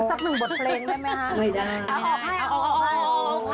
สักหนึ่งบทเพลงได้ไหมคะ